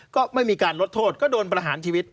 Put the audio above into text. ก็ไม่มีการลดโทษก็โดนประหารชีวิต